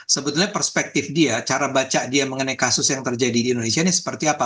sebetulnya perspektif dia cara baca dia mengenai kasus yang terjadi di indonesia ini seperti apa